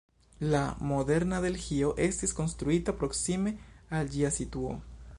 La moderna Delhio estis konstruita proksime al ĝia situo.